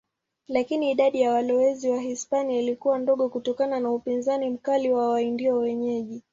Lakini idadi ya walowezi Wahispania ilikuwa ndogo kutokana na upinzani mkali wa Waindio wenyeji.